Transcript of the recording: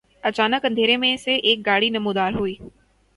اچانک اندھیرے میں سے ایک گاڑی نمودار ہوئی